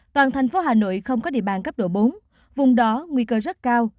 toàn thành phố hà nội không có địa bàn cấp độ bốn vùng đó nguy cơ rất cao